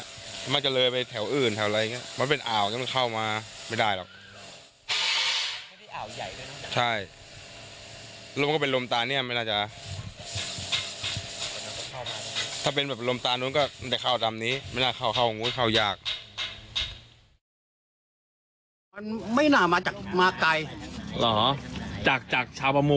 มันมักจะเลยไปแถวอื่นแถวอะไรอันเนี้ยมันเป็นอ่าวก็ความ